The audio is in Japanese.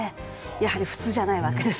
やはり普通じゃないわけです。